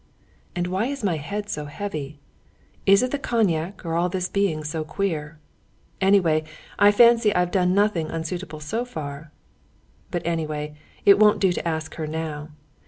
And why is my head so heavy? Is it the cognac, or all this being so queer? Anyway, I fancy I've done nothing unsuitable so far. But anyway, it won't do to ask her now.